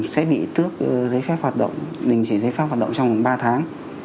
sẽ bị tước giấy phép hoạt động đình chỉ giấy phép hoạt động trong vòng ba tháng